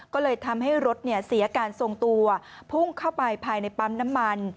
ก็เลยทำให้รถเสียการทรงตัวพุ่งเข้าไปภายในปั๊มน้ำมัน